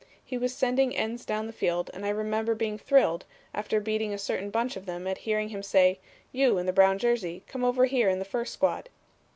He was sending ends down the field and I remember being thrilled, after beating a certain bunch of them, at hearing him say: 'You in the brown jersey, come over here in the first squad.'